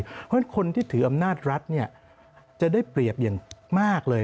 เพราะฉะนั้นคนที่ถืออำนาจรัฐจะได้เปรียบอย่างมากเลย